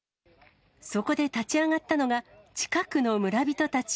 そこで立ち上がったのが、近くの村人たち。